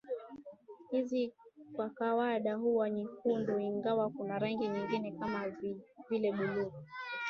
Hizi kwa kawaida huwa nyekundu ingawa kuna rangi nyingine kama vile bluu